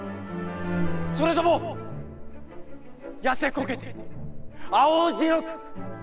それとも痩せこけて、青白く、貧相か？」。